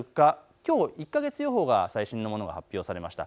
きょう１か月予報が最新のものが発表されました。